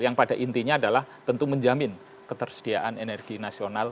yang pada intinya adalah tentu menjamin ketersediaan energi nasional